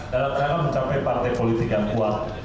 dalam rangka mencapai partai politik yang kuat